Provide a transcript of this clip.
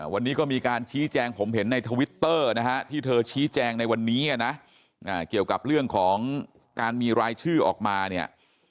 วันนี้ก็มีการชี้แจงผมเห็นในทวิตเตอร์นะฮะที่เธอชี้แจงในวันนี้นะเกี่ยวกับเรื่องของการมีรายชื่อออกมาเนี่ย